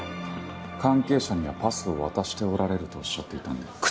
関係者にはパスを渡しておられるとおっしゃっていたので。